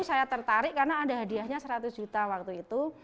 saya tertarik karena ada hadiahnya seratus juta waktu itu